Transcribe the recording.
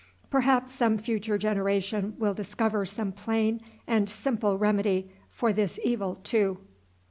Perhaps some future generation will discover some plain and simple remedy for this evil too.